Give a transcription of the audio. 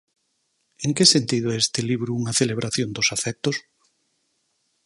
En que sentido é este libro unha celebración dos afectos?